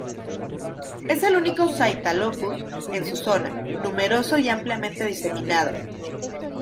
Es el único "Scytalopus" en su zona, numeroso y ampliamente diseminado.